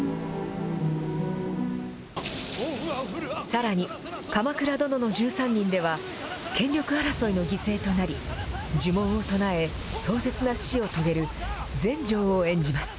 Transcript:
さらに、鎌倉殿の１３人では、権力争いの犠牲となり、呪文を唱え、壮絶な死を遂げる、全成を演じます。